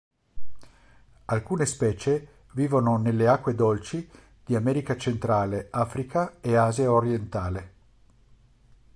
Alcune specie vivono nelle acque dolci di America centrale, Africa e Asia orientale.